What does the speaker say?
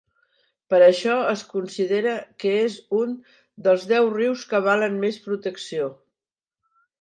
Per això es considera que és un dels deu rius que valen més protecció.